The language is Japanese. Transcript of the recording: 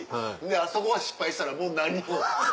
あそこは失敗したらもう何も。